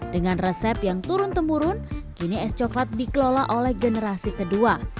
dengan resep yang turun temurun kini es coklat dikelola oleh generasi kedua